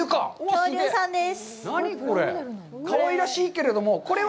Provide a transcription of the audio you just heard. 恐竜さんです。